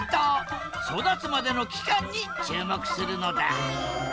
育つまでの期間に注目するのだ！